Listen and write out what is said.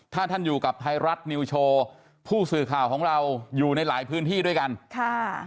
ถ้าท่านอยู่กับไทยรัฐนิวโชว์ผู้สื่อข่าวของเราอยู่ในหลายพื้นที่ด้วยกันค่ะ